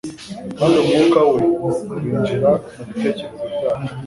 kandi umwuka we winjira mubitekerezo byacu